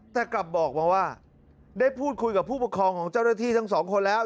แต่กลับบอกมาว่าได้พูดคุยกับผู้ปกครองของเจ้าหน้าที่ทั้งสองคนแล้ว